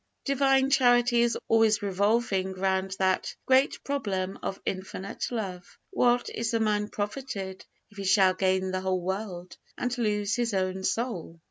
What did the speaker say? Divine Charity is always revolving round that great problem of infinite love. "What is a man profited, if he shall gain the whole world, and lose his own soul?"